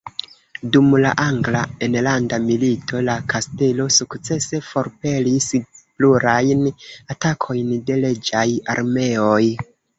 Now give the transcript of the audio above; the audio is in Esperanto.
Dum la angla enlanda milito la kastelo sukcese forpelis plurajn atakojn de reĝaj armeoj.